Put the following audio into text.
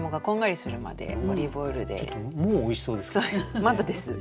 まだです。